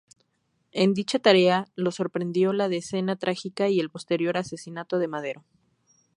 En dicha tarea lo sorprendió la Decena Trágica y el posterior asesinato de Madero.